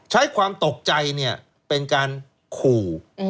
ใช้ความตกใจเป็นการขู่